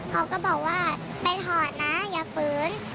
เขาก็บอกว่าไปถอดนะอย่าฝืน